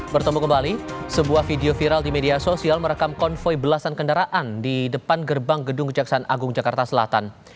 bertemu kembali sebuah video viral di media sosial merekam konvoy belasan kendaraan di depan gerbang gedung kejaksaan agung jakarta selatan